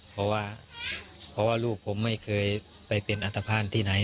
เพราะว่าลูกผมไม่เคยไปเปลี่ยนอัตภาพที่ไหน